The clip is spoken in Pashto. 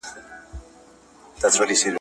دوستان څنګه د واده په خوښۍ کي ګډون کولای سي؟